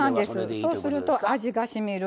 そうすると味がしみる。